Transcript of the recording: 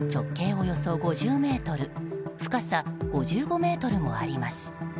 およそ５０ｍ深さ５５ｍもあります。